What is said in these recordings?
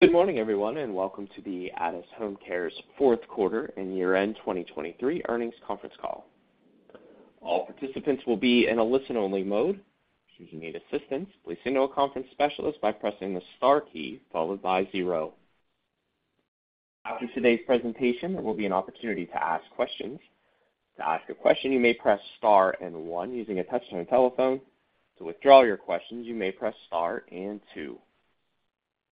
Good morning, everyone, and welcome to the Addus HomeCare's fourth quarter and year-end 2023 earnings conference call. All participants will be in a listen-only mode. If you need assistance, please signal a conference specialist by pressing the Star key followed by zero. After today's presentation, there will be an opportunity to ask questions. To ask a question, you may press Star and one using a touch-tone telephone. To withdraw your questions, you may press Star and two.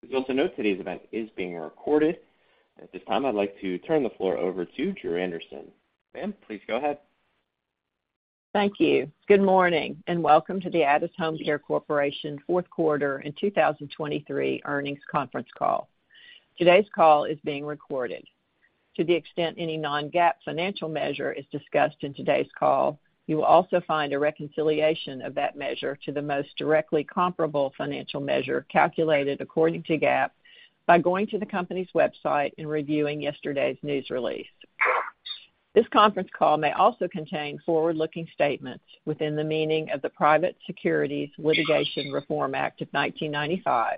Please also note today's event is being recorded. At this time, I'd like to turn the floor over to Dru Anderson. Ma'am, please go ahead. Thank you. Good morning, and welcome to the Addus HomeCare Corporation fourth quarter in 2023 earnings conference call. Today's call is being recorded. To the extent any non-GAAP financial measure is discussed in today's call, you will also find a reconciliation of that measure to the most directly comparable financial measure calculated according to GAAP by going to the company's website and reviewing yesterday's news release. This conference call may also contain forward-looking statements within the meaning of the Private Securities Litigation Reform Act of 1995,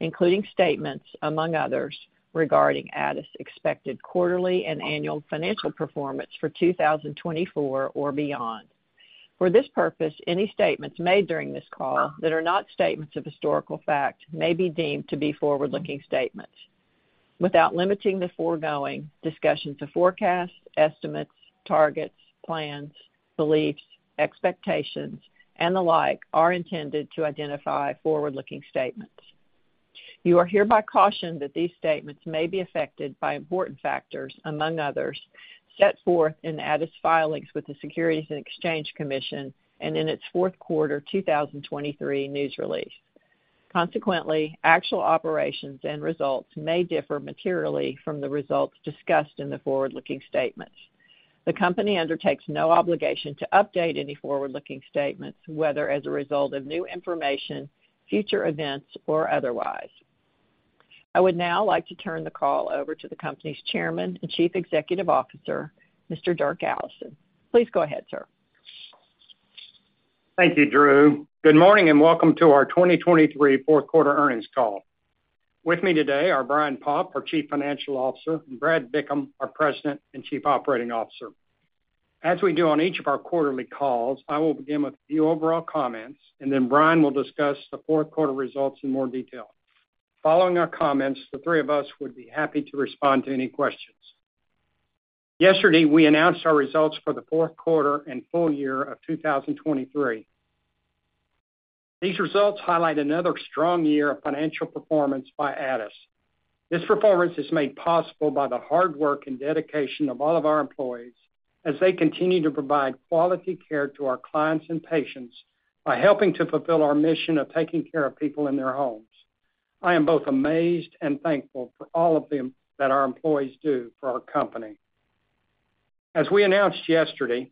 including statements, among others, regarding Addus' expected quarterly and annual financial performance for 2024 or beyond. For this purpose, any statements made during this call that are not statements of historical fact may be deemed to be forward-looking statements. Without limiting the foregoing, discussions of forecasts, estimates, targets, plans, beliefs, expectations, and the like, are intended to identify forward-looking statements. You are hereby cautioned that these statements may be affected by important factors, among others, set forth in Addus' filings with the Securities and Exchange Commission and in its fourth quarter 2023 news release. Consequently, actual operations and results may differ materially from the results discussed in the forward-looking statements. The Company undertakes no obligation to update any forward-looking statements, whether as a result of new information, future events, or otherwise. I would now like to turn the call over to the company's Chairman and Chief Executive Officer, Mr. Dirk Allison. Please go ahead, sir. Thank you, Dru. Good morning, and welcome to our 2023 fourth quarter earnings call. With me today are Brian Poff, our Chief Financial Officer, and Brad Bickham, our President and Chief Operating Officer. As we do on each of our quarterly calls, I will begin with a few overall comments, and then Brian will discuss the fourth quarter results in more detail. Following our comments, the three of us would be happy to respond to any questions. Yesterday, we announced our results for the fourth quarter and full year of 2023. These results highlight another strong year of financial performance by Addus. This performance is made possible by the hard work and dedication of all of our employees as they continue to provide quality care to our clients and patients by helping to fulfill our mission of taking care of people in their homes. I am both amazed and thankful for all of them, that our employees do for our company. As we announced yesterday,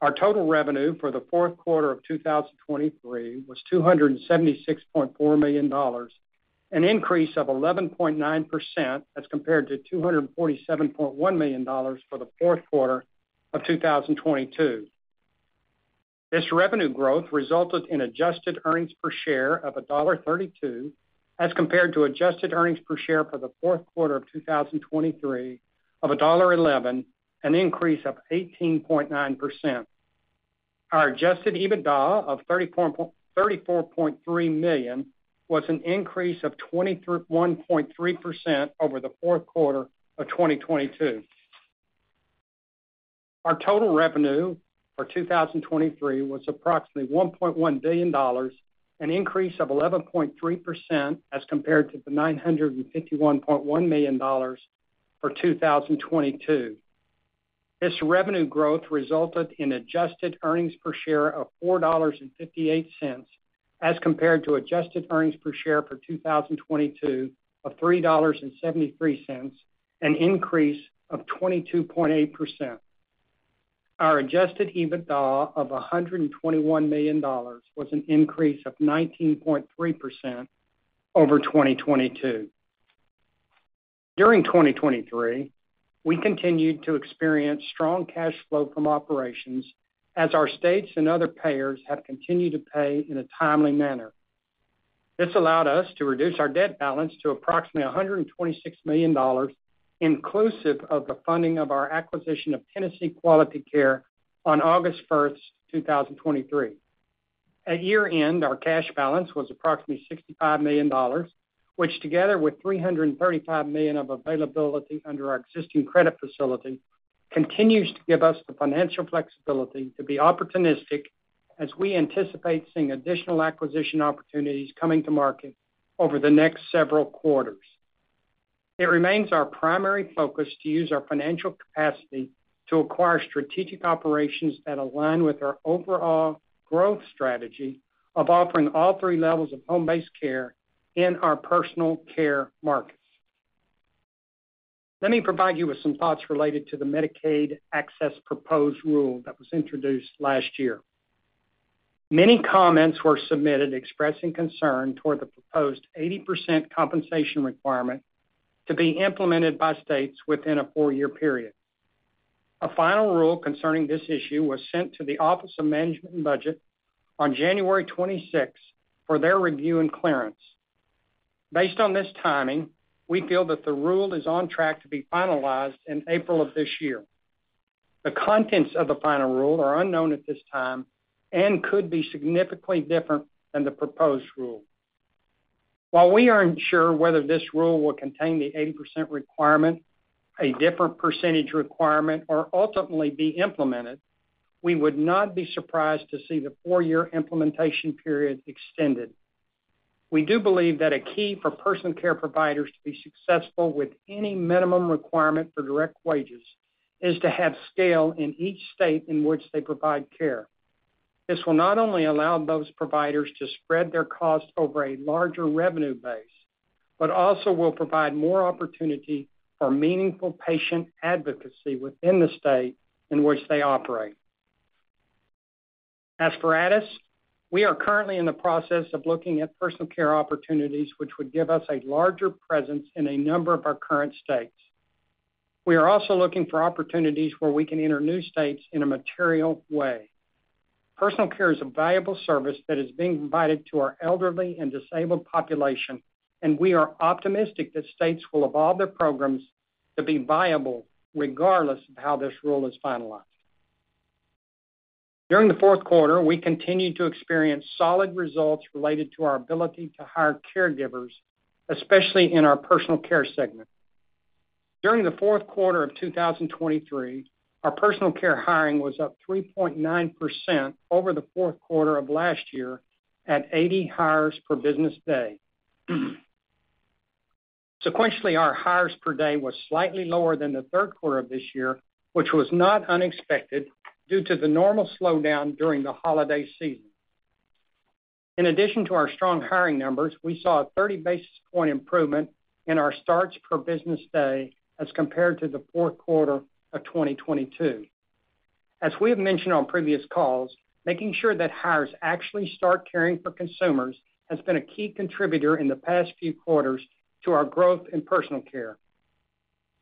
our total revenue for the fourth quarter of 2023 was $276.4 million, an increase of 11.9% as compared to $247.1 million for the fourth quarter of 2022. This revenue growth resulted in adjusted earnings per share of $1.32, as compared to adjusted earnings per share for the fourth quarter of 2023 of $1.11, an increase of 18.9%. Our adjusted EBITDA of $34.3 million was an increase of 21.3% over the fourth quarter of 2022. Our total revenue for 2023 was approximately $1.1 billion, an increase of 11.3% as compared to the $951.1 million for 2022. This revenue growth resulted in adjusted earnings per share of $4.58, as compared to adjusted earnings per share for 2022 of $3.73, an increase of 22.8%. Our adjusted EBITDA of $121 million was an increase of 19.3% over 2022. During 2023, we continued to experience strong cash flow from operations as our states and other payers have continued to pay in a timely manner. This allowed us to reduce our debt balance to approximately $126 million, inclusive of the funding of our acquisition of Tennessee Quality Care on August 1st, 2023. At year-end, our cash balance was approximately $65 million, which, together with $335 million of availability under our existing credit facility, continues to give us the financial flexibility to be opportunistic as we anticipate seeing additional acquisition opportunities coming to market over the next several quarters. It remains our primary focus to use our financial capacity to acquire strategic operations that align with our overall growth strategy of offering all three levels of home-based care in our personal care markets. Let me provide you with some thoughts related to the Medicaid Access proposed rule that was introduced last year. Many comments were submitted expressing concern toward the proposed 80% compensation requirement to be implemented by states within a 4-year period. A final rule concerning this issue was sent to the Office of Management and Budget on January 26th for their review and clearance. Based on this timing, we feel that the rule is on track to be finalized in April of this year. The contents of the final rule are unknown at this time and could be significantly different than the proposed rule. While we aren't sure whether this rule will contain the 80% requirement, a different percentage requirement, or ultimately be implemented, we would not be surprised to see the four year implementation period extended. We do believe that a key for personal care providers to be successful with any minimum requirement for direct wages is to have scale in each state in which they provide care. This will not only allow those providers to spread their costs over a larger revenue base, but also will provide more opportunity for meaningful patient advocacy within the state in which they operate. As for Addus, we are currently in the process of looking at personal care opportunities, which would give us a larger presence in a number of our current states. We are also looking for opportunities where we can enter new states in a material way. Personal care is a valuable service that is being provided to our elderly and disabled population, and we are optimistic that states will evolve their programs to be viable regardless of how this rule is finalized. During the fourth quarter, we continued to experience solid results related to our ability to hire caregivers, especially in our personal care segment. During the fourth quarter of 2023, our personal care hiring was up 3.9% over the fourth quarter of last year at 80 hires per business day. Sequentially, our hires per day was slightly lower than the third quarter of this year, which was not unexpected due to the normal slowdown during the holiday season. In addition to our strong hiring numbers, we saw a 30 basis point improvement in our starts per business day as compared to the fourth quarter of 2022. As we have mentioned on previous calls, making sure that hires actually start caring for consumers has been a key contributor in the past few quarters to our growth in personal care.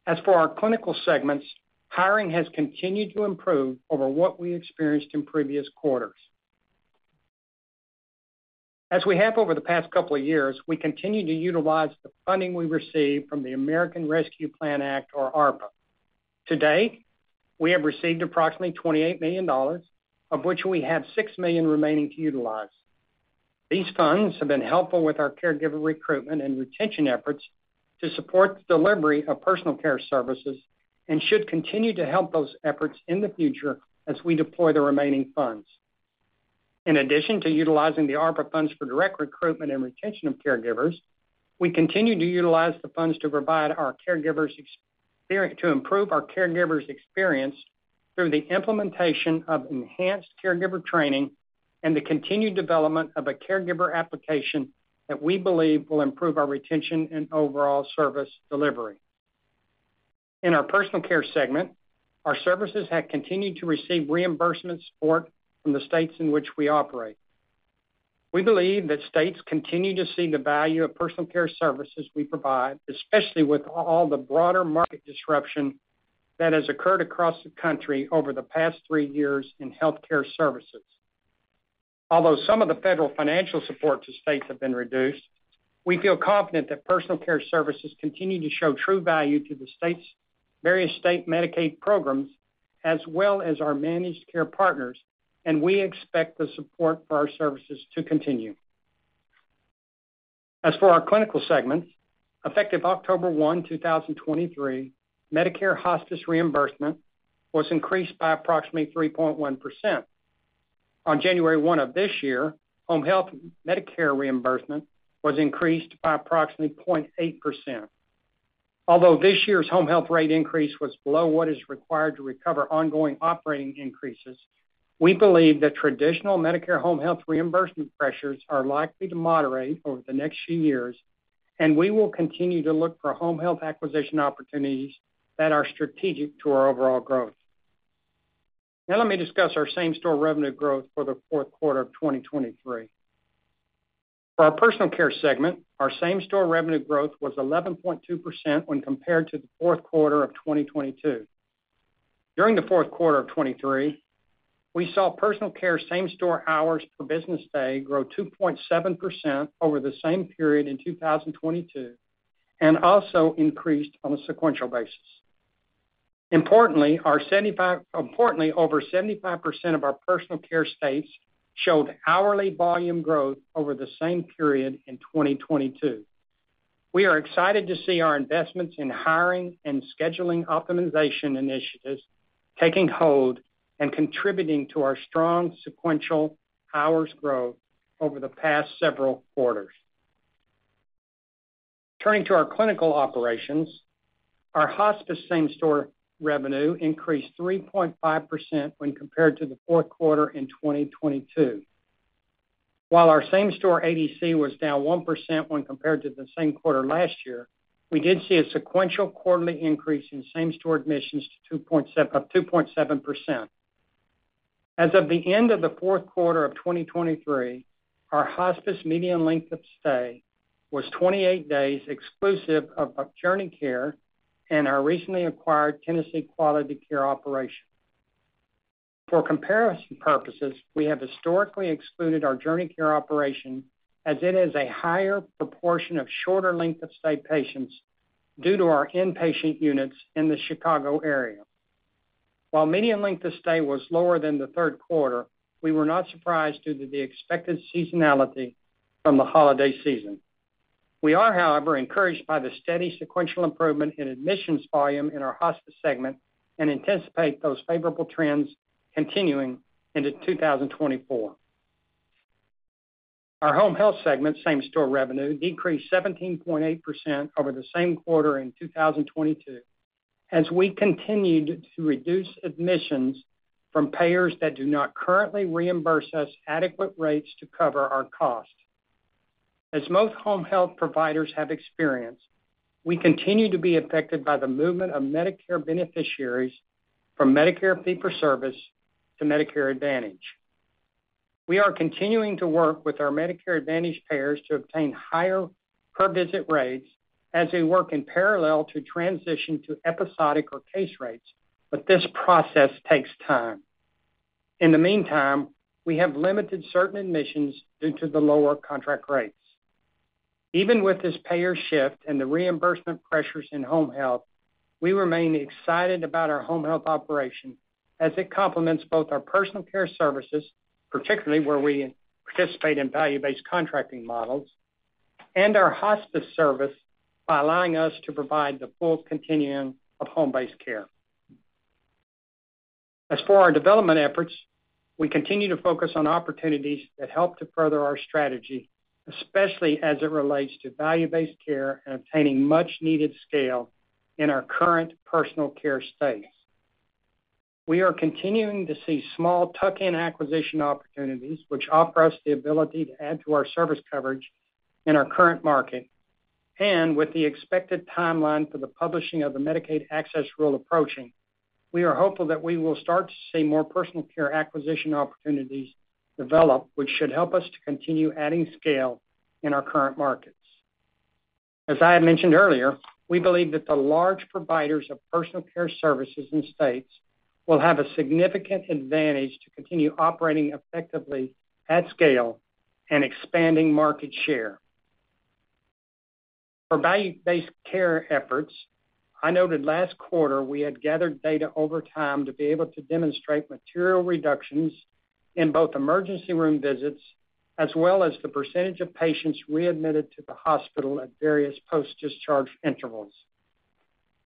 As for our clinical segments, hiring has continued to improve over what we experienced in previous quarters. As we have over the past couple of years, we continue to utilize the funding we received from the American Rescue Plan Act, or ARPA. To date, we have received approximately $28 million, of which we have $6 million remaining to utilize. These funds have been helpful with our caregiver recruitment and retention efforts to support the delivery of personal care services and should continue to help those efforts in the future as we deploy the remaining funds. In addition to utilizing the ARPA funds for direct recruitment and retention of caregivers, we continue to utilize the funds to provide our caregivers to improve our caregivers' experience through the implementation of enhanced caregiver training and the continued development of a caregiver application that we believe will improve our retention and overall service delivery. In our personal care segment, our services have continued to receive reimbursement support from the states in which we operate. We believe that states continue to see the value of personal care services we provide, especially with all the broader market disruption that has occurred across the country over the past three years in healthcare services. Although some of the federal financial support to states have been reduced, we feel confident that personal care services continue to show true value to the states' various state Medicaid programs, as well as our managed care partners, and we expect the support for our services to continue. As for our clinical segments, effective October 1, 2023, Medicare hospice reimbursement was increased by approximately 3.1%. On January 1 of this year, home health Medicare reimbursement was increased by approximately 0.8%. Although this year's home health rate increase was below what is required to recover ongoing operating increases, we believe that traditional Medicare home health reimbursement pressures are likely to moderate over the next few years, and we will continue to look for home health acquisition opportunities that are strategic to our overall growth. Now let me discuss our same-store revenue growth for the fourth quarter of 2023. For our personal care segment, our same-store revenue growth was 11.2% when compared to the fourth quarter of 2022. During the fourth quarter of 2023, we saw personal care same-store hours per business day grow 2.7% over the same period in 2022, and also increased on a sequential basis. Importantly, over 75% of our personal care states showed hourly volume growth over the same period in 2022. We are excited to see our investments in hiring and scheduling optimization initiatives taking hold and contributing to our strong sequential hours growth over the past several quarters. Turning to our clinical operations, our hospice same-store revenue increased 3.5% when compared to the fourth quarter of 2022. While our same-store ADC was down 1% when compared to the same quarter last year, we did see a sequential quarterly increase in same-store admissions to 2.7%. As of the end of the fourth quarter of 2023, our hospice median length of stay was 28 days, exclusive of JourneyCare and our recently acquired Tennessee Quality Care operation. For comparison purposes, we have historically excluded our JourneyCare operation as it is a higher proportion of shorter length of stay patients due to our inpatient units in the Chicago area. While median length of stay was lower than the third quarter, we were not surprised due to the expected seasonality from the holiday season. We are, however, encouraged by the steady sequential improvement in admissions volume in our hospice segment and anticipate those favorable trends continuing into 2024. Our home health segment same-store revenue decreased 17.8% over the same quarter in 2022, as we continued to reduce admissions from payers that do not currently reimburse us adequate rates to cover our costs. As most home health providers have experienced, we continue to be affected by the movement of Medicare beneficiaries from Medicare fee-for-service to Medicare Advantage. We are continuing to work with our Medicare Advantage payers to obtain higher per-visit rates as they work in parallel to transition to episodic or case rates, but this process takes time. In the meantime, we have limited certain admissions due to the lower contract rates. Even with this payer shift and the reimbursement pressures in home health, we remain excited about our home health operation as it complements both our personal care services, particularly where we participate in value-based contracting models, and our hospice service by allowing us to provide the full continuum of home-based care. As for our development efforts, we continue to focus on opportunities that help to further our strategy, especially as it relates to value-based care and obtaining much-needed scale in our current personal care space. We are continuing to see small tuck-in acquisition opportunities, which offer us the ability to add to our service coverage in our current market. With the expected timeline for the publishing of the Medicaid Access Rule approaching, we are hopeful that we will start to see more personal care acquisition opportunities develop, which should help us to continue adding scale in our current markets. As I had mentioned earlier, we believe that the large providers of personal care services in states will have a significant advantage to continue operating effectively at scale and expanding market share. For value-based care efforts, I noted last quarter we had gathered data over time to be able to demonstrate material reductions in both emergency room visits, as well as the percentage of patients readmitted to the hospital at various post-discharge intervals.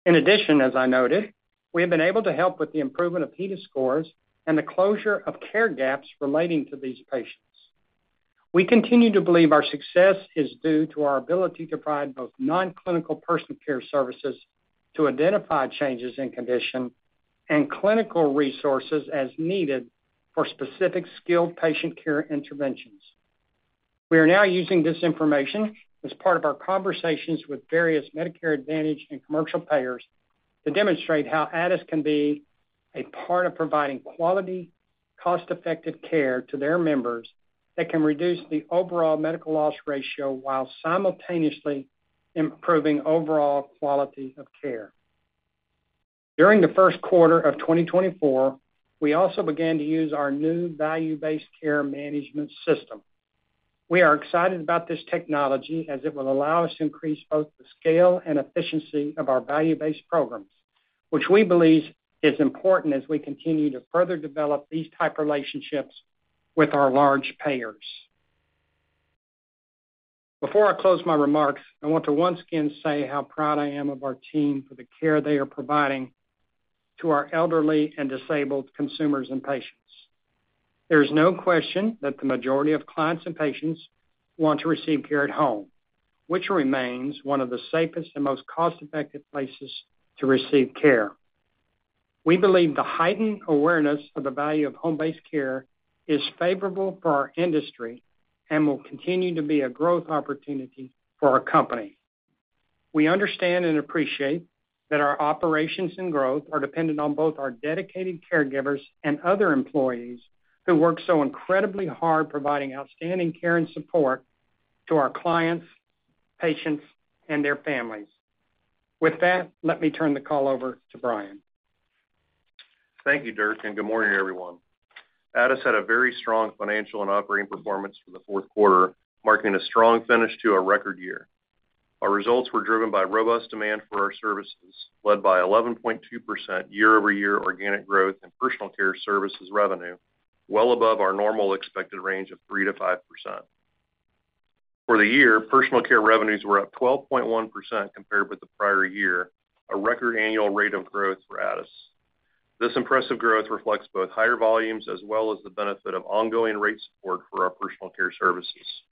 In addition, as I noted, we have been able to help with the improvement of HEDIS scores and the closure of care gaps relating to these patients. We continue to believe our success is due to our ability to provide both nonclinical personal care services to identify changes in condition and clinical resources as needed for specific skilled patient care interventions. We are now using this information as part of our conversations with various Medicare Advantage and commercial payers to demonstrate how Addus can be a part of providing quality, cost-effective care to their members that can reduce the overall medical loss ratio while simultaneously improving overall quality of care. During the first quarter of 2024, we also began to use our new value-based care management system. We are excited about this technology as it will allow us to increase both the scale and efficiency of our value-based programs, which we believe is important as we continue to further develop these type of relationships with our large payers. Before I close my remarks, I want to once again say how proud I am of our team for the care they are providing to our elderly and disabled consumers and patients. There is no question that the majority of clients and patients want to receive care at home, which remains one of the safest and most cost-effective places to receive care. We believe the heightened awareness of the value of home-based care is favorable for our industry and will continue to be a growth opportunity for our company. We understand and appreciate that our operations and growth are dependent on both our dedicated caregivers and other employees who work so incredibly hard, providing outstanding care and support to our clients, patients, and their families. With that, let me turn the call over to Brian. Thank you, Dirk, and good morning, everyone. Addus had a very strong financial and operating performance for the fourth quarter, marking a strong finish to a record year. Our results were driven by robust demand for our services, led by 11.2% year-over-year organic growth in personal care services revenue, well above our normal expected range of 3%-5%. For the year, personal care revenues were up 12.1% compared with the prior year, a record annual rate of growth for Addus. This impressive growth reflects both higher volumes as well as the benefit of ongoing rate support for our personal care services.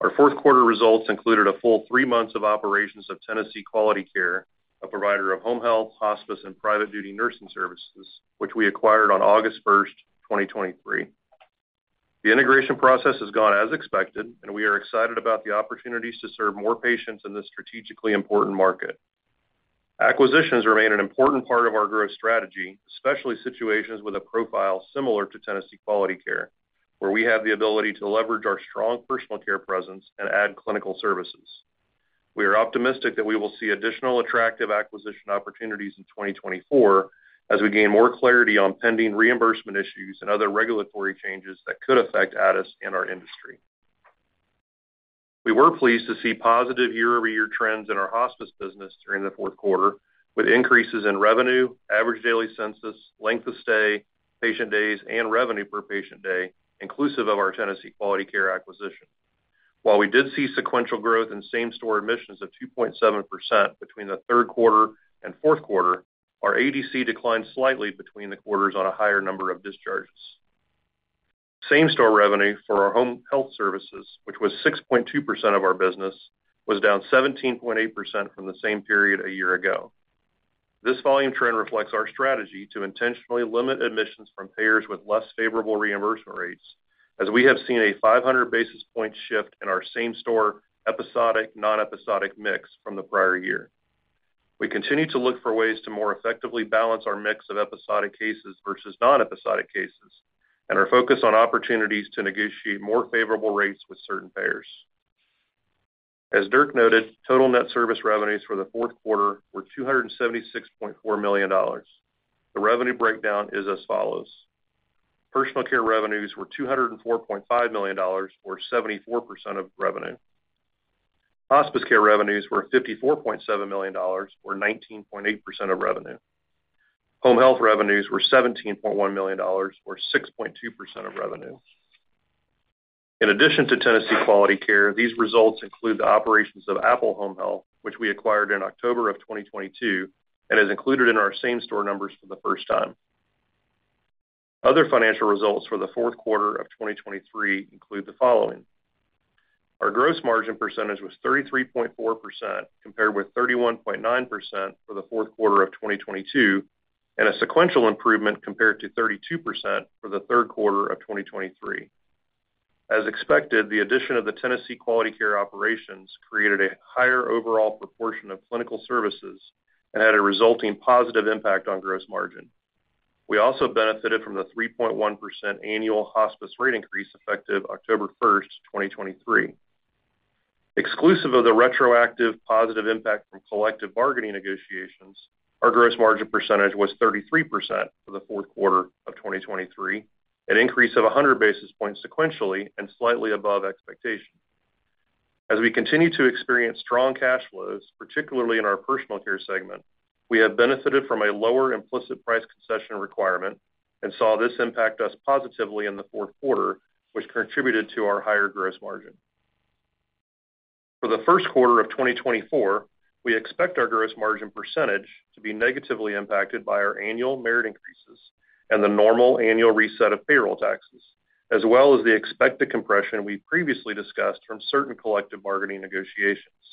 Our fourth quarter results included a full three months of operations of Tennessee Quality Care, a provider of home health, hospice, and private duty nursing services, which we acquired on August 1st, 2023. The integration process has gone as expected, and we are excited about the opportunities to serve more patients in this strategically important market. Acquisitions remain an important part of our growth strategy, especially situations with a profile similar to Tennessee Quality Care, where we have the ability to leverage our strong personal care presence and add clinical services. We are optimistic that we will see additional attractive acquisition opportunities in 2024 as we gain more clarity on pending reimbursement issues and other regulatory changes that could affect us and our industry. We were pleased to see positive year-over-year trends in our hospice business during the fourth quarter, with increases in revenue, average daily census, length of stay, patient days, and revenue per patient day, inclusive of our Tennessee Quality Care acquisition. While we did see sequential growth in same-store admissions of 2.7% between the third quarter and fourth quarter, our ADC declined slightly between the quarters on a higher number of discharges. Same-store revenue for our home health services, which was 6.2% of our business, was down 17.8% from the same period a year ago. This volume trend reflects our strategy to intentionally limit admissions from payers with less favorable reimbursement rates, as we have seen a 500 basis point shift in our same-store episodic, non-episodic mix from the prior year. We continue to look for ways to more effectively balance our mix of episodic cases versus non-episodic cases, and are focused on opportunities to negotiate more favorable rates with certain payers. As Dirk noted, total net service revenues for the fourth quarter were $276.4 million. The revenue breakdown is as follows: personal care revenues were $204.5 million, or 74% of revenue. Hospice care revenues were $54.7 million, or 19.8% of revenue. Home health revenues were $17.1 million, or 6.2% of revenue. In addition to Tennessee Quality Care, these results include the operations of Apple Home Health, which we acquired in October 2022 and is included in our same-store numbers for the first time. Other financial results for the fourth quarter of 2023 include the following: Our gross margin percentage was 33.4%, compared with 31.9% for the fourth quarter of 2022, and a sequential improvement compared to 32% for the third quarter of 2023. As expected, the addition of the Tennessee Quality Care operations created a higher overall proportion of clinical services and had a resulting positive impact on gross margin. We also benefited from the 3.1% annual hospice rate increase effective October 1st, 2023. Exclusive of the retroactive positive impact from collective bargaining negotiations, our gross margin percentage was 33% for the fourth quarter of 2023, an increase of 100 basis points sequentially and slightly above expectation. As we continue to experience strong cash flows, particularly in our personal care segment, we have benefited from a lower implicit price concession requirement and saw this impact us positively in the fourth quarter, which contributed to our higher gross margin. For the first quarter of 2024, we expect our gross margin percentage to be negatively impacted by our annual merit increases and the normal annual reset of payroll taxes, as well as the expected compression we previously discussed from certain collective bargaining negotiations.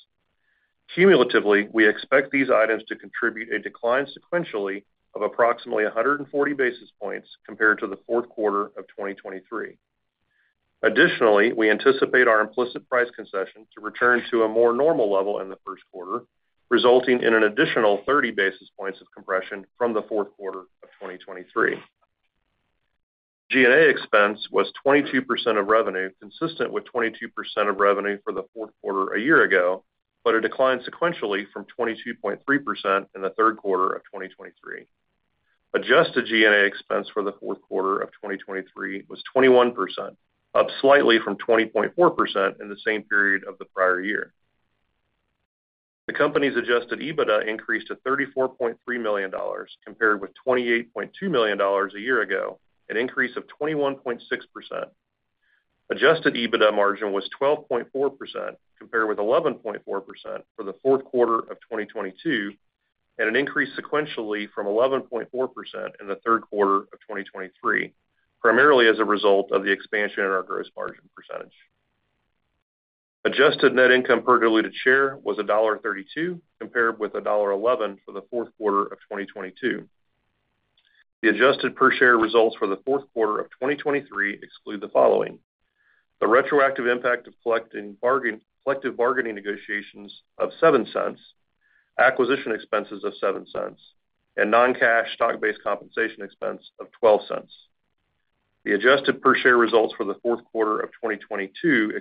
Cumulatively, we expect these items to contribute a decline sequentially of approximately 140 basis points compared to the fourth quarter of 2023. Additionally, we anticipate our implicit price concession to return to a more normal level in the first quarter, resulting in an additional 30 basis points of compression from the fourth quarter of 2023. G&A expense was 22% of revenue, consistent with 22% of revenue for the fourth quarter a year ago, but a decline sequentially from 22.3% in the third quarter of 2023. Adjusted G&A expense for the fourth quarter of 2023 was 21%, up slightly from 20.4% in the same period of the prior year. The company's adjusted EBITDA increased to $34.3 million, compared with $28.2 million a year ago, an increase of 21.6%. Adjusted EBITDA margin was 12.4%, compared with 11.4% for the fourth quarter of 2022, and an increase sequentially from 11.4% in the third quarter of 2023, primarily as a result of the expansion in our gross margin percentage. Adjusted net income per diluted share was $1.32, compared with $1.11 for the fourth quarter of 2022. The adjusted per share results for the fourth quarter of 2023 exclude the following: the retroactive impact of collective bargaining negotiations of $0.07, acquisition expenses of $0.07, and non-cash stock-based compensation expense of $0.12. The adjusted per share results for the fourth quarter of 2022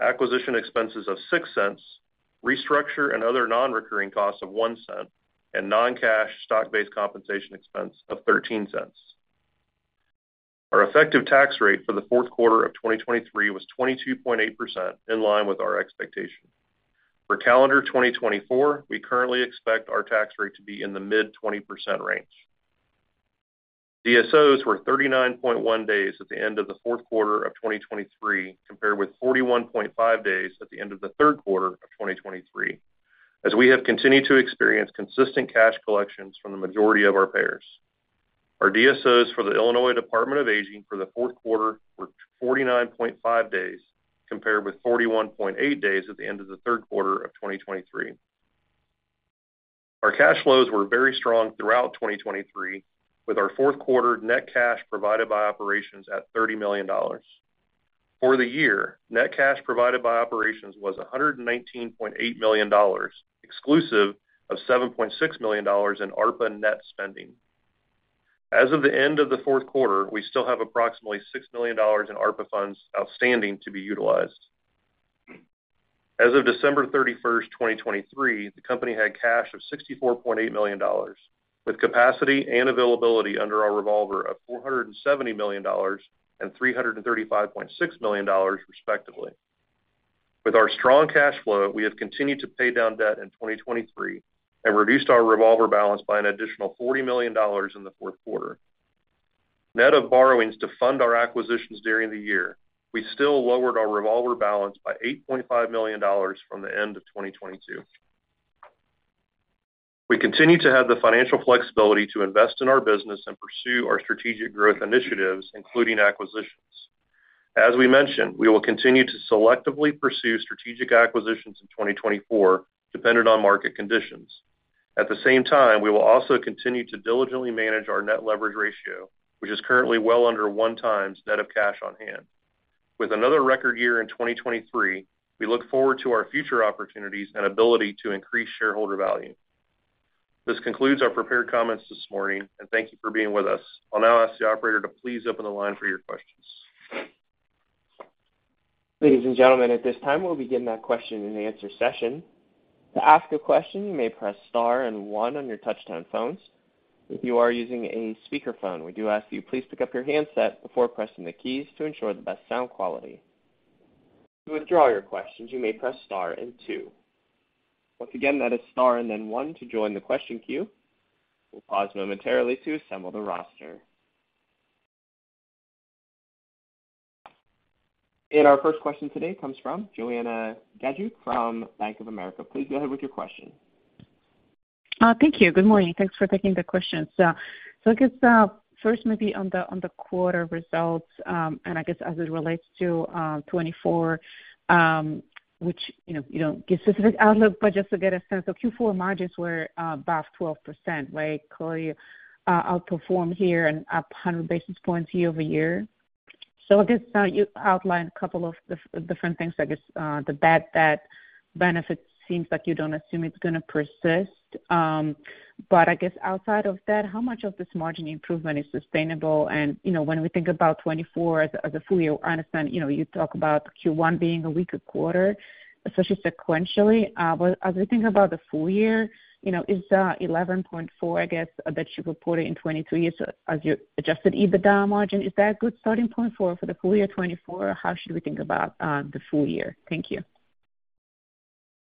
exclude the following: acquisition expenses of $0.06, restructure and other non-recurring costs of $0.01, and non-cash stock-based compensation expense of $0.13. Our effective tax rate for the fourth quarter of 2023 was 22.8%, in line with our expectation. For calendar 2024, we currently expect our tax rate to be in the mid-20% range. DSOs were 39.1 days at the end of the fourth quarter of 2023, compared with 41.5 days at the end of the third quarter of 2023, as we have continued to experience consistent cash collections from the majority of our payers. Our DSOs for the Illinois Department on Aging for the fourth quarter were 49.5 days, compared with 41.8 days at the end of the third quarter of 2023. Our cash flows were very strong throughout 2023, with our fourth quarter net cash provided by operations at $30 million. For the year, net cash provided by operations was $119.8 million, exclusive of $7.6 million in ARPA net spending. As of the end of the fourth quarter, we still have approximately $6 million in ARPA funds outstanding to be utilized. As of December 31st, 2023, the company had cash of $64.8 million, with capacity and availability under our revolver of $470 million and $335.6 million, respectively. With our strong cash flow, we have continued to pay down debt in 2023 and reduced our revolver balance by an additional $40 million in the fourth quarter. Net of borrowings to fund our acquisitions during the year, we still lowered our revolver balance by $8.5 million from the end of 2022. We continue to have the financial flexibility to invest in our business and pursue our strategic growth initiatives, including acquisitions. As we mentioned, we will continue to selectively pursue strategic acquisitions in 2024, dependent on market conditions. At the same time, we will also continue to diligently manage our net leverage ratio, which is currently well under 1x net of cash on hand. With another record year in 2023, we look forward to our future opportunities and ability to increase shareholder value. This concludes our prepared comments this morning, and thank you for being with us. I'll now ask the operator to please open the line for your questions. Ladies and gentlemen, at this time, we'll begin our question and answer session. To ask a question, you may press star and one on your touchtone phones. If you are using a speakerphone, we do ask you please pick up your handset before pressing the keys to ensure the best sound quality. To withdraw your questions, you may press star and two. Once again, that is star and then one to join the question queue. We'll pause momentarily to assemble the roster. Our first question today comes from Joanna Gajuk from Bank of America. Please go ahead with your question. Thank you. Good morning. Thanks for taking the questions. So I guess first, maybe on the quarter results, and I guess as it relates to 2024, which, you know, you don't give specific outlook, but just to get a sense of Q4 margins were about 12%, right? Clearly, outperformed here and up 100 basis points year-over-year. So I guess you outlined a couple of different things. I guess the bad debt benefit seems like you don't assume it's gonna persist. But I guess outside of that, how much of this margin improvement is sustainable? And, you know, when we think about 2024 as a full year, I understand, you know, you talk about Q1 being a weaker quarter, especially sequentially. But as we think about the full year, you know, is the 11.4%, I guess, that you reported in 2023 as your adjusted EBITDA margin, is that a good starting point for the full year 2024, or how should we think about the full year? Thank you.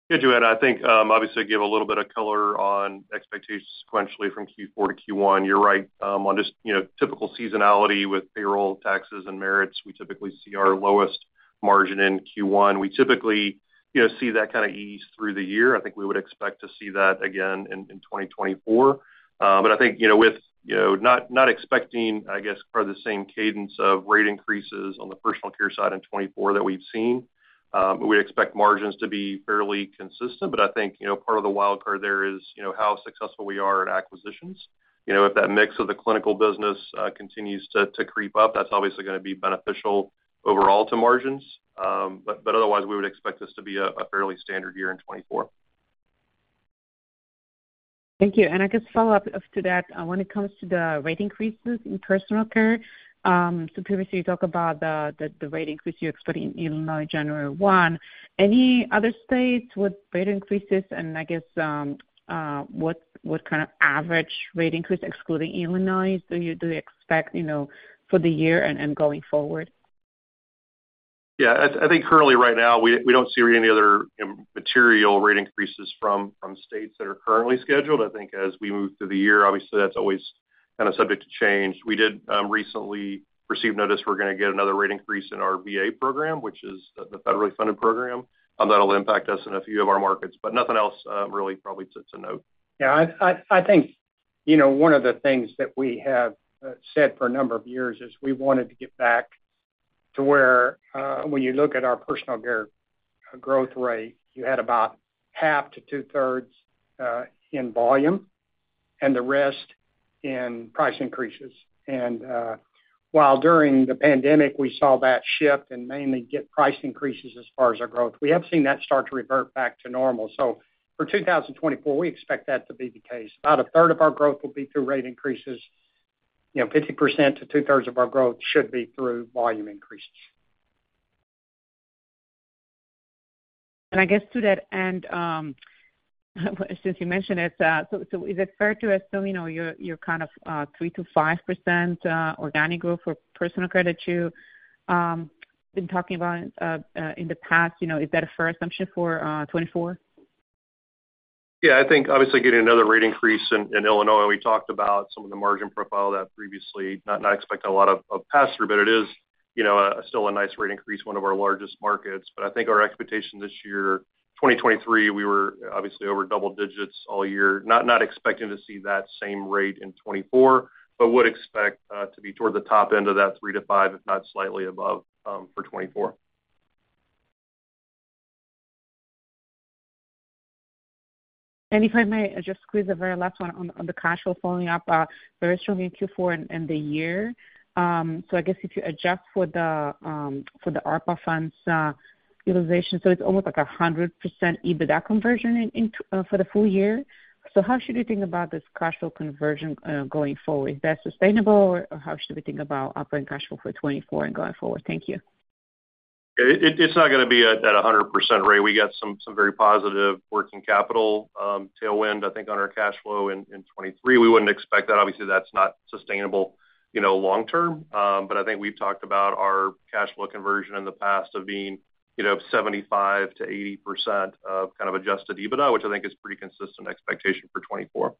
Yeah, Joanna, I think obviously give a little bit of color on expectations sequentially from Q4 to Q1. You're right on just, you know, typical seasonality with payroll, taxes, and merits, we typically see our lowest margin in Q1. We typically, you know, see that kind of ease through the year. I think we would expect to see that again in 2024. But I think, you know, with you know not expecting, I guess, part of the same cadence of rate increases on the personal care side in 2024 that we've seen, we expect margins to be fairly consistent. But I think, you know, part of the wild card there is, you know, how successful we are at acquisitions. You know, if that mix of the clinical business continues to creep up, that's obviously gonna be beneficial overall to margins. But otherwise, we would expect this to be a fairly standard year in 2024. Thank you. I guess follow up to that, when it comes to the rate increases in personal care, so previously you talked about the rate increase you expect in Illinois, January 1. Any other states with rate increases, and I guess, what kind of average rate increase, excluding Illinois, do you expect, you know, for the year and going forward? Yeah, I think currently right now, we don't see any other material rate increases from states that are currently scheduled. I think as we move through the year, obviously, that's always kind of subject to change. We did recently receive notice we're gonna get another rate increase in our VA program, which is the federally funded program. That'll impact us in a few of our markets, but nothing else really probably to note. Yeah, I think, you know, one of the things that we have said for a number of years is we wanted to get back to where, when you look at our personal care growth rate, you had about half to two-thirds in volume and the rest in price increases. And while during the pandemic, we saw that shift and mainly get price increases as far as our growth, we have seen that start to revert back to normal. So for 2024, we expect that to be the case. About a third of our growth will be through rate increases. You know, 50% to two-thirds of our growth should be through volume increases. I guess to that end, since you mentioned it, so is it fair to assume, you know, you're kind of 3%-5% organic growth for personal care too you've been talking about in the past? You know, is that a fair assumption for 2024? Yeah, I think obviously getting another rate increase in Illinois, we talked about some of the margin profile of that previously. Not expecting a lot of pass-through, but it is, you know, still a nice rate increase, one of our largest markets. But I think our expectation this year, 2023, we were obviously over double digits all year. Not expecting to see that same rate in 2024, but would expect to be toward the top end of that three to five, if not slightly above, for 2024. If I may just squeeze the very last one on, on the cash flow following up, very strong in Q4 and the year. So I guess if you adjust for the, for the ARPA funds, utilization, so it's almost like 100% EBITDA conversion in, in, for the full year. So how should we think about this cash flow conversion going forward? Is that sustainable, or, or how should we think about operating cash flow for 2024 and going forward? Thank you. It's not gonna be at a 100% rate. We got some very positive working capital tailwind, I think, on our cash flow in 2023. We wouldn't expect that. Obviously, that's not sustainable, you know, long term. But I think we've talked about our cash flow conversion in the past of being, you know, 75%-80% of kind of adjusted EBITDA, which I think is pretty consistent expectation for 2024.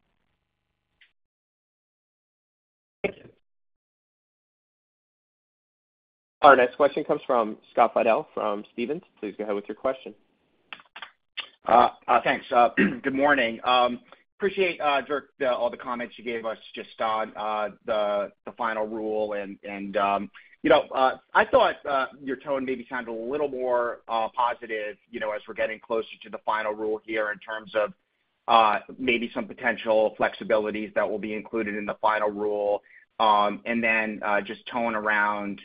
Thank you. Our next question comes from Scott Fidel from Stephens. Please go ahead with your question. Thanks. Good morning. Appreciate, Dirk, all the comments you gave us just on the final rule, and you know, I thought your tone maybe sounded a little more positive, you know, as we're getting closer to the final rule here in terms of maybe some potential flexibilities that will be included in the final rule. And then just the tone around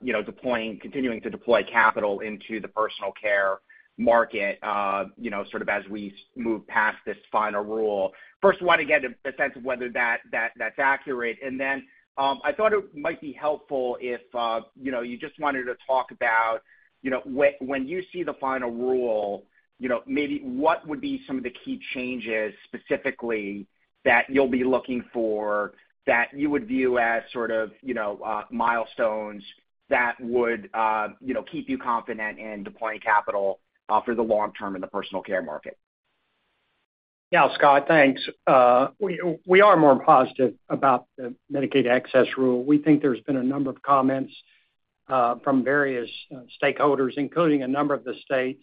you know, deploying, continuing to deploy capital into the personal care market, you know, sort of as we move past this final rule. First, want to get a sense of whether that's accurate. And then, I thought it might be helpful if, you know, you just wanted to talk about, you know, when, when you see the final rule, you know, maybe what would be some of the key changes specifically that you'll be looking for, that you would view as sort of, you know, milestones that would, you know, keep you confident in deploying capital, for the long term in the personal care market? Yeah, Scott, thanks. We are more positive about the Medicaid Access Rule. We think there's been a number of comments from various stakeholders, including a number of the states,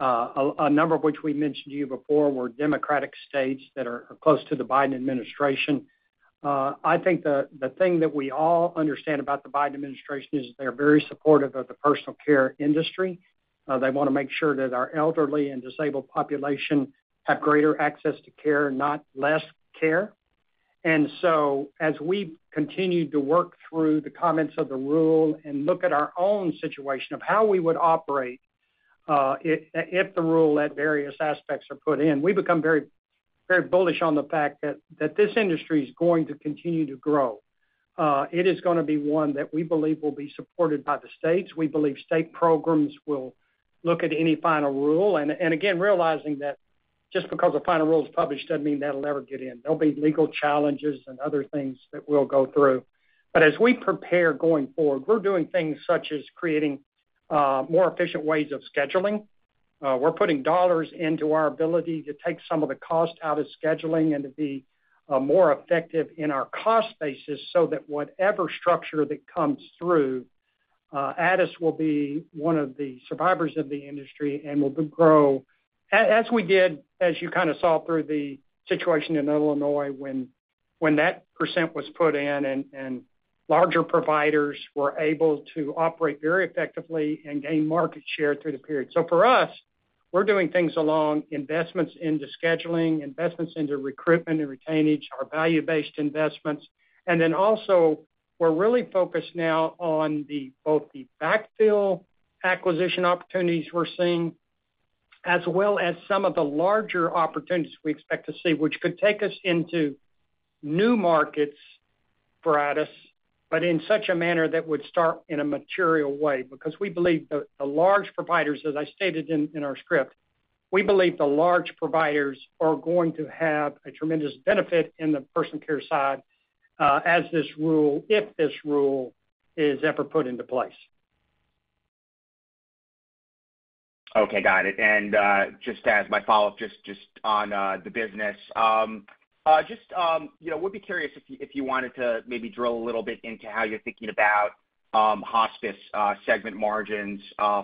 a number of which we mentioned to you before were Democratic states that are close to the Biden administration. I think the thing that we all understand about the Biden administration is they're very supportive of the personal care industry. They wanna make sure that our elderly and disabled population have greater access to care, not less care. As we continue to work through the comments of the rule and look at our own situation of how we would operate, if the rule at various aspects are put in, we become very, very bullish on the fact that, that this industry is going to continue to grow. It is gonna be one that we believe will be supported by the states. We believe state programs will look at any final rule, and, and again, realizing that just because a final rule is published doesn't mean that'll ever get in. There'll be legal challenges and other things that we'll go through. As we prepare going forward, we're doing things such as creating more efficient ways of scheduling. We're putting dollars into our ability to take some of the cost out of scheduling and to be more effective in our cost basis, so that whatever structure that comes through, Addus will be one of the survivors of the industry and will grow as we did, as you kind of saw through the situation in Illinois, when that percent was put in and larger providers were able to operate very effectively and gain market share through the period. So for us, we're doing things along investments into scheduling, investments into recruitment and retainage, our value-based investments. Then also, we're really focused now on both the backfill acquisition opportunities we're seeing, as well as some of the larger opportunities we expect to see, which could take us into new markets for Addus, but in such a manner that would start in a material way. Because we believe the large providers, as I stated in our script, we believe the large providers are going to have a tremendous benefit in the personal care side, as this rule, if this rule, is ever put into place. Okay, got it. And just as my follow-up, just on the business. You know, would be curious if you wanted to maybe drill a little bit into how you're thinking about hospice segment margins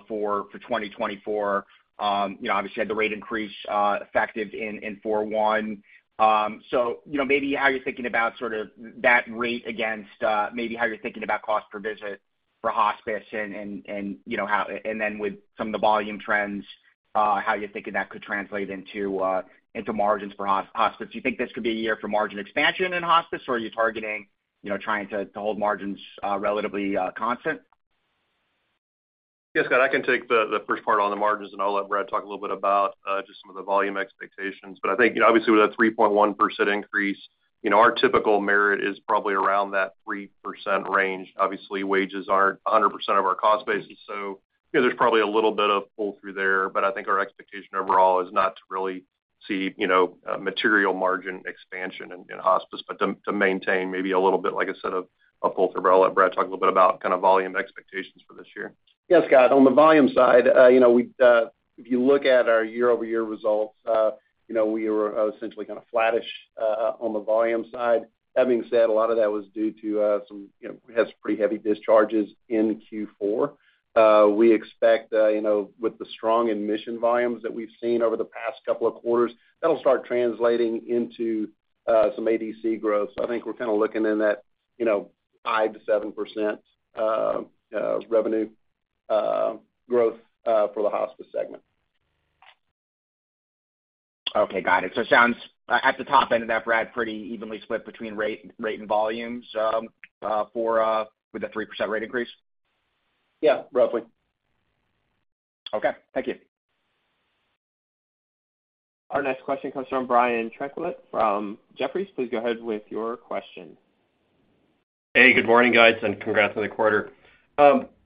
for 2024. You know, obviously had the rate increase effective in four one. So you know, maybe how you're thinking about sort of that rate against maybe how you're thinking about cost per visit for hospice and you know, how and then with some of the volume trends how you're thinking that could translate into margins for hospice. Do you think this could be a year for margin expansion in hospice, or are you targeting you know, trying to hold margins relatively constant? Yeah, Scott, I can take the, the first part on the margins, and I'll let Brad talk a little bit about just some of the volume expectations. But I think, you know, obviously with a 3.1% increase, you know, our typical merit is probably around that 3% range. Obviously, wages aren't 100% of our cost basis, so, you know, there's probably a little bit of pull through there. But I think our expectation overall is not to really see, you know, material margin expansion in, in hospice, but to, to maintain maybe a little bit, like I said, of, of pull through. But I'll let Brad talk a little bit about kind of volume expectations for this year. Yeah, Scott, on the volume side, you know, we, if you look at our year-over-year results, you know, we were, essentially kind of flattish, on the volume side. That being said, a lot of that was due to, some, you know, we had some pretty heavy discharges in Q4. We expect, you know, with the strong admission volumes that we've seen over the past couple of quarters, that'll start translating into, some ADC growth. So I think we're kind of looking in that, you know... 5%-7% revenue growth for the hospice segment. Okay, got it. So it sounds at the top end of that, Brad, pretty evenly split between rate, rate and volumes, for, with a 3% rate increase? Yeah, roughly. Okay, thank you. Our next question comes from Brian Tanquilut from Jefferies. Please go ahead with your question. Hey, good morning, guys, and congrats on the quarter.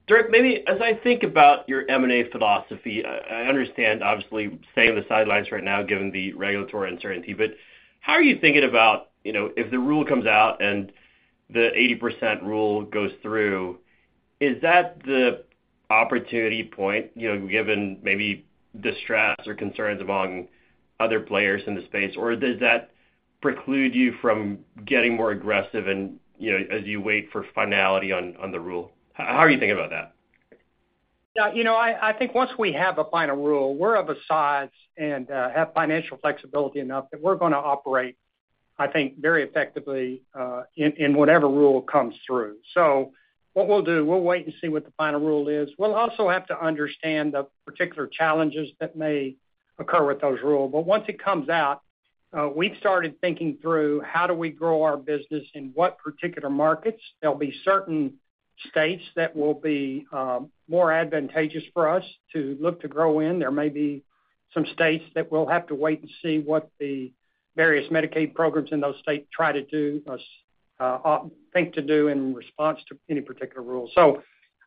Dirk, maybe as I think about your M&A philosophy, I understand, obviously, staying on the sidelines right now, given the regulatory uncertainty, but how are you thinking about, you know, if the rule comes out and the 80% rule goes through, is that the opportunity point, you know, given maybe distress or concerns among other players in the space? Or does that preclude you from getting more aggressive and, you know, as you wait for finality on the rule? How are you thinking about that? Yeah, you know, I think once we have a final rule, we're of a size and have financial flexibility enough that we're gonna operate, I think, very effectively in whatever rule comes through. So what we'll do, we'll wait and see what the final rule is. We'll also have to understand the particular challenges that may occur with those rules. But once it comes out, we've started thinking through how do we grow our business in what particular markets. There'll be certain states that will be more advantageous for us to look to grow in. There may be some states that we'll have to wait and see what the various Medicaid programs in those states try to do in response to any particular rule. So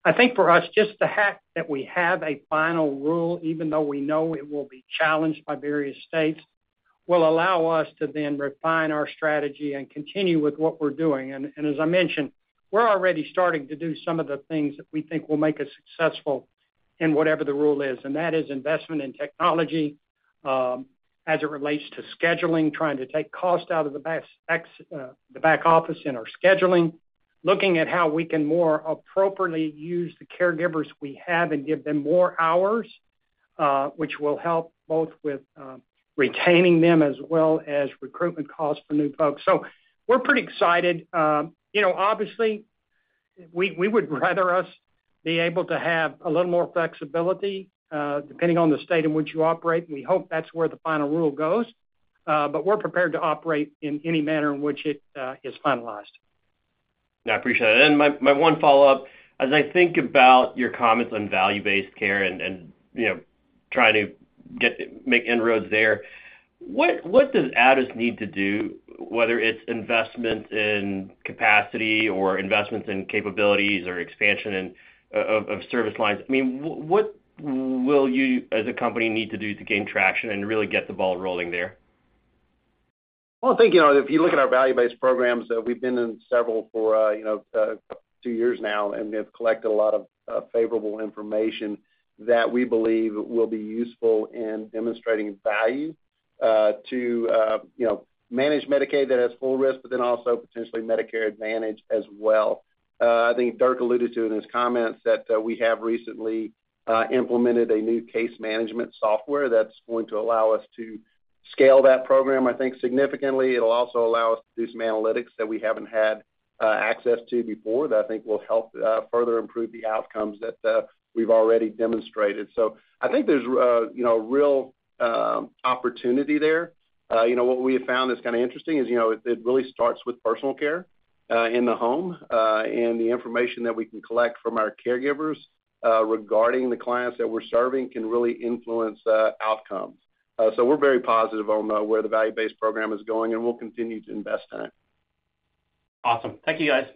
I think for us, just the fact that we have a final rule, even though we know it will be challenged by various states, will allow us to then refine our strategy and continue with what we're doing. And as I mentioned, we're already starting to do some of the things that we think will make us successful in whatever the rule is, and that is investment in technology as it relates to scheduling, trying to take cost out of the back office in our scheduling, looking at how we can more appropriately use the caregivers we have and give them more hours, which will help both with retaining them as well as recruitment costs for new folks. So we're pretty excited. You know, obviously, we would rather us be able to have a little more flexibility, depending on the state in which you operate, and we hope that's where the final rule goes. But we're prepared to operate in any manner in which it is finalized. I appreciate it. And my one follow-up: As I think about your comments on value-based care and, you know, trying to make inroads there, what does Addus need to do, whether it's investment in capacity or investments in capabilities or expansion of service lines? I mean, what will you, as a company, need to do to gain traction and really get the ball rolling there? Well, I think, you know, if you look at our value-based programs, we've been in several for two years now, and we have collected a lot of favorable information that we believe will be useful in demonstrating value to managed Medicaid that has full risk, but then also potentially Medicare Advantage as well. I think Dirk alluded to in his comments that we have recently implemented a new case management software that's going to allow us to scale that program, I think, significantly. It'll also allow us to do some analytics that we haven't had access to before that I think will help further improve the outcomes that we've already demonstrated. So I think there's, you know, real opportunity there. You know, what we have found that's kind of interesting is, you know, it really starts with personal care in the home, and the information that we can collect from our caregivers regarding the clients that we're serving can really influence outcomes. So we're very positive on where the value-based program is going, and we'll continue to invest in it. Awesome. Thank you, guys.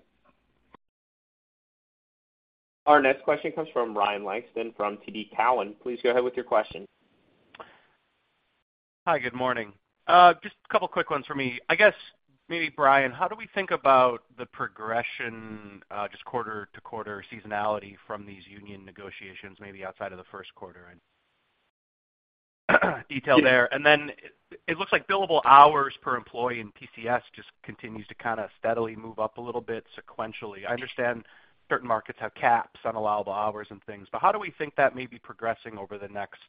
Our next question comes from Ryan Langston from TD Cowen. Please go ahead with your question. Hi, good morning. Just a couple quick ones for me. I guess, maybe, Brian, how do we think about the progression, just quarter to quarter seasonality from these union negotiations, maybe outside of the first quarter and detail there? And then it looks like billable hours per employee in PCS just continues to kind of steadily move up a little bit sequentially. I understand certain markets have caps on allowable hours and things, but how do we think that may be progressing over the next,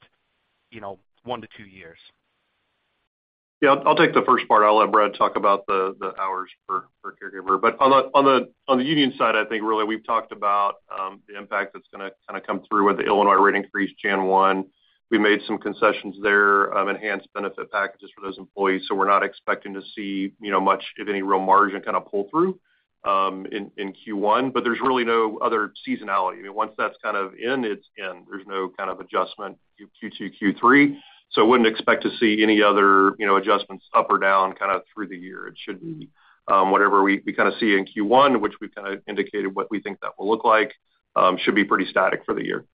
you know, one to two years? Yeah, I'll take the first part. I'll let Brad talk about the hours per caregiver. But on the union side, I think really we've talked about the impact that's gonna kind of come through with the Illinois rate increase January 1. We made some concessions there of enhanced benefit packages for those employees, so we're not expecting to see, you know, much of any real margin kind of pull through in Q1, but there's really no other seasonality. Once that's kind of in, it's in. There's no kind of adjustment Q2, Q3, so I wouldn't expect to see any other, you know, adjustments up or down kind of through the year. It should be, whatever we kind of see in Q1, which we've kind of indicated what we think that will look like, should be pretty static for the year.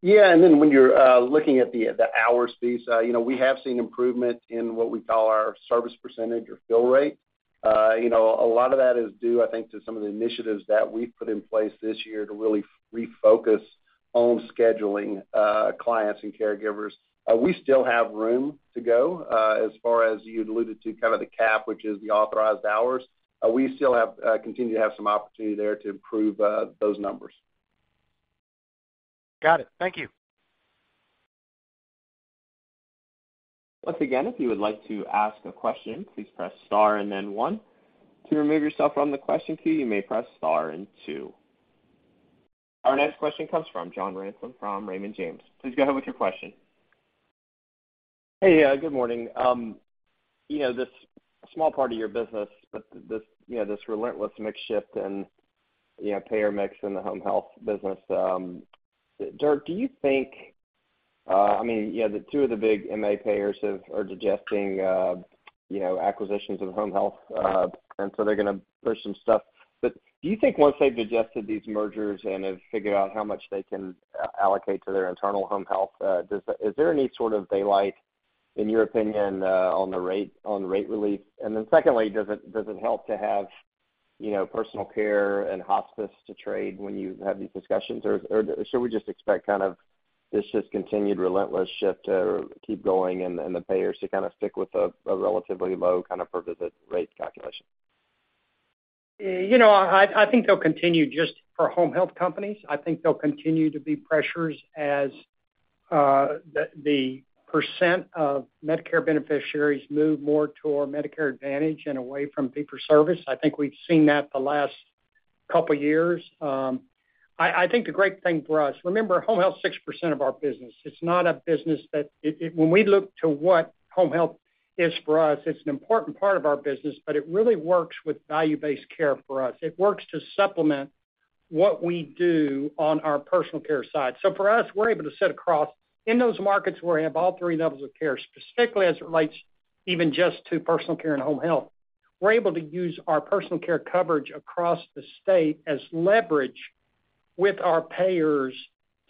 Yeah, and then when you're looking at the hours piece, you know, we have seen improvement in what we call our service percentage or fill rate. You know, a lot of that is due, I think, to some of the initiatives that we've put in place this year to really refocus on scheduling clients and caregivers. We still have room to go, as far as you'd alluded to, kind of the cap, which is the authorized hours. We still continue to have some opportunity there to improve those numbers. Got it. Thank you!... Once again, if you would like to ask a question, please press star and then one. To remove yourself from the question queue, you may press star and two. Our next question comes from John Ransom from Raymond James. Please go ahead with your question. Hey, yeah, good morning. You know, this small part of your business, but this, you know, this relentless mix shift and, you know, payer mix in the home health business. Dirk, do you think, I mean, yeah, the two of the big MA payers are digesting, you know, acquisitions of home health, and so they're gonna push some stuff. But do you think once they've digested these mergers and have figured out how much they can allocate to their internal home health, is there any sort of daylight, in your opinion, on the rate, on the rate relief? And then secondly, does it, does it help to have, you know, personal care and hospice to trade when you have these discussions? Or should we just expect kind of this continued relentless shift to keep going and the payers to kind of stick with a relatively low kind of per visit rate calculation? You know, I think they'll continue just for home health companies. I think they'll continue to be pressures as the percent of Medicare beneficiaries move more toward Medicare Advantage and away from fee-for-service. I think we've seen that the last couple years. I think the great thing for us. Remember, home health is 6% of our business. It's not a business that, when we look to what home health is for us, it's an important part of our business, but it really works with value-based care for us. It works to supplement what we do on our personal care side. So for us, we're able to sit across in those markets where we have all three levels of care, specifically as it relates even just to personal care and home health. We're able to use our personal care coverage across the state as leverage with our payers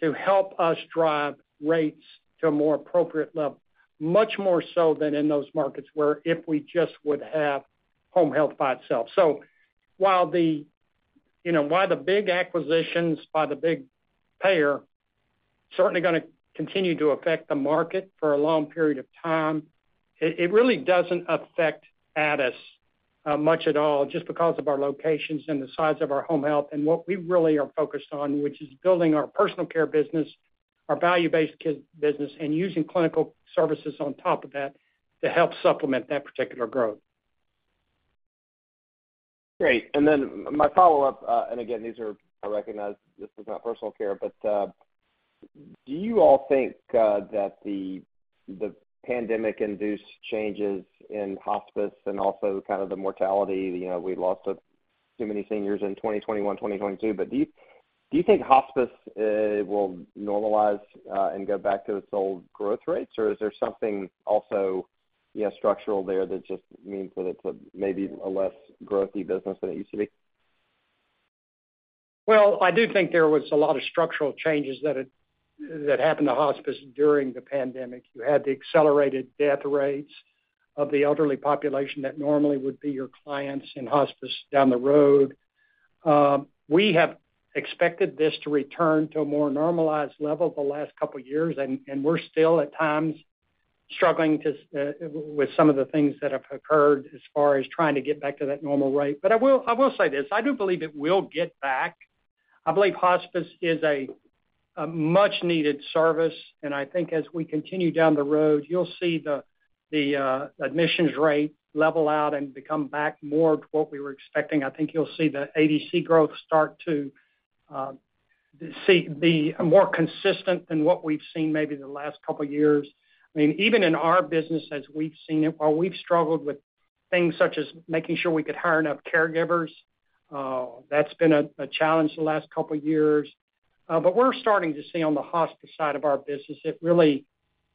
to help us drive rates to a more appropriate level, much more so than in those markets where if we just would have home health by itself. So while you know, the big acquisitions by the big payer certainly gonna continue to affect the market for a long period of time, it really doesn't affect Addus much at all, just because of our locations and the size of our home health and what we really are focused on, which is building our personal care business, our value-based care business, and using clinical services on top of that to help supplement that particular growth. Great. And then my follow-up, and again, these are, I recognize this is not personal care, but, do you all think that the pandemic-induced changes in hospice and also kind of the mortality, you know, we lost too many seniors in 2021, 2022, but do you think hospice will normalize and go back to its old growth rates? Or is there something also, yeah, structural there that just means that it's maybe a less growthy business than it used to be? Well, I do think there was a lot of structural changes that had, that happened to hospice during the pandemic. You had the accelerated death rates of the elderly population that normally would be your clients in hospice down the road. We have expected this to return to a more normalized level the last couple of years, and we're still at times struggling to with some of the things that have occurred as far as trying to get back to that normal rate. But I will, I will say this, I do believe it will get back. I believe hospice is a, a much needed service, and I think as we continue down the road, you'll see the, the admissions rate level out and become back more to what we were expecting. I think you'll see the ADC growth start to be more consistent than what we've seen maybe in the last couple of years. I mean, even in our business, as we've seen it, while we've struggled with things such as making sure we could hire enough caregivers, that's been a challenge the last couple of years. But we're starting to see on the hospice side of our business, it really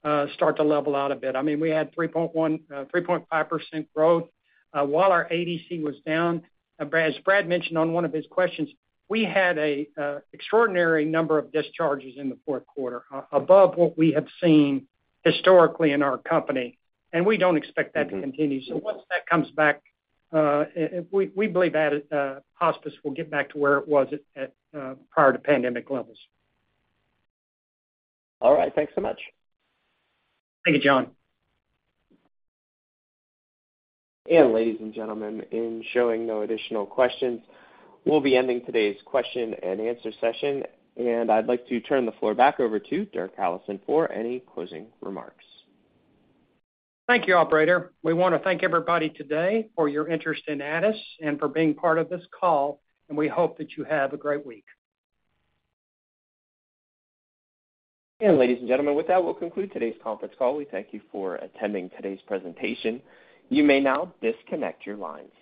start to level out a bit. I mean, we had 3.1%, 3.5% growth while our ADC was down. But as Brad mentioned on one of his questions, we had an extraordinary number of discharges in the fourth quarter, above what we have seen historically in our company, and we don't expect that to continue. So once that comes back, we believe that hospice will get back to where it was at prior to pandemic levels. All right. Thanks so much. Thank you, John. Ladies and gentlemen, in showing no additional questions, we'll be ending today's question and answer session, and I'd like to turn the floor back over to Dirk Allison for any closing remarks. Thank you, operator. We want to thank everybody today for your interest in Addus and for being part of this call, and we hope that you have a great week. Ladies and gentlemen, with that, we'll conclude today's conference call. We thank you for attending today's presentation. You may now disconnect your lines.